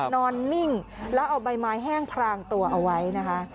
นิ่งแล้วเอาใบไม้แห้งพรางตัวเอาไว้นะคะ